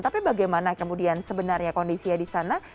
tapi bagaimana kemudian sebenarnya kondisinya di sana